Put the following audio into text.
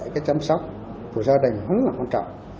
cái chăm sóc của gia đình rất là quan trọng